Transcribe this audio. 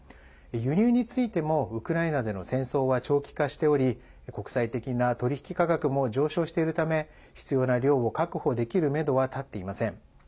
輸入についてもウクライナでの戦争は長期化しており国際的な取引価格も上昇しているため必要な量を確保できるめどは立っていません。